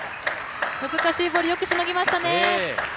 難しいボールをよくしのぎましたね。